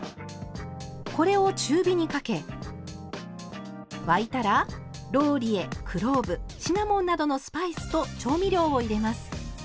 これを中火にかけ沸いたらローリエクローブシナモンなどのスパイスと調味料を入れます。